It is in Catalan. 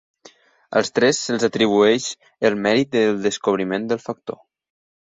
Als tres se'ls atribueix el mèrit del descobriment del factor.